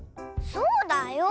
そうだよ！